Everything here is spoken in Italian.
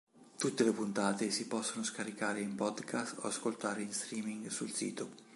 Tutte le puntate si possono scaricare in podcast o ascoltare in streaming sul sito.